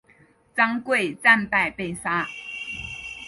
张贵战败被杀。